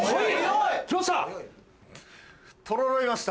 来ました！